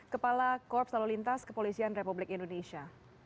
kepala korps lalu lintas kepolisian republik indonesia